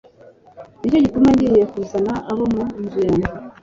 ni cyo gituma ngiye kuzana abo mu nzu yanjye